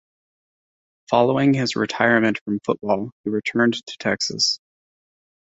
Following his retirement from football, he returned to Texas.